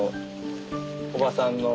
おばさんの。